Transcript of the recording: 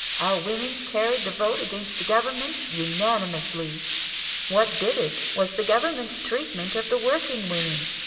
Our women carried vote against the Government unanimously. What did it 268 NO SURRENDER was the Government's treatment of the working women.